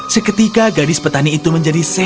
seketika gadis petani itu menjadi sehat